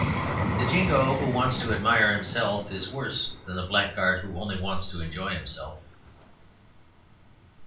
The Jingo who wants to admire himself is worse than the blackguard who only wants to enjoy himself.